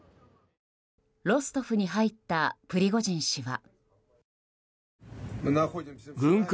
ロストフに入ったプリゴジン氏は。